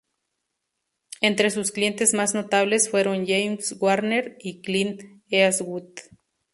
Entre sus clientes más notables fueron James Garner y Clint Eastwood.